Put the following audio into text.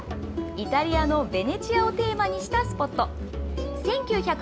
ここは、イタリアのベネチアをテーマにしたスポット。